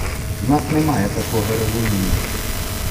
В нас немає такого розуміння.